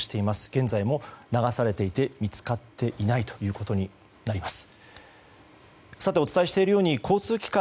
現在も流されていて見つかっていないということになります。